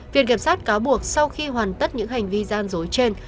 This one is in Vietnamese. việc kiểm soát cáo buộc sau khi hoàn tất những hành vi gian dối trên